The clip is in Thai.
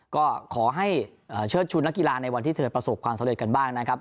ก็ขอให้เชิดชุนนักกีฬาในวันที่เธอประสบความสำเร็จกันบ้างนะครับ